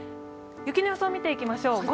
雪の予想を見ていきましょう。